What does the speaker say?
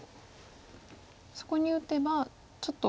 そこに打てばちょっと。